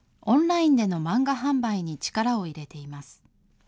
オンラインでの漫画販売に力を入れています。